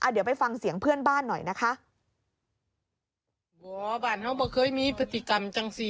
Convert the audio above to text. เดี๋ยวไปฟังเสียงเพื่อนบ้านหน่อยนะคะ